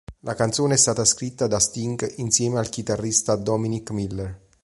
La canzone è stata scritta da Sting insieme al chitarrista Dominic Miller.